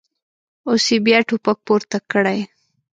اوس یې بیا ټوپک پورته کړی.